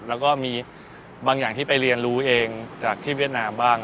แล้วก็มีบางอย่างที่ไปเรียนรู้เองจากที่เวียดนามบ้าง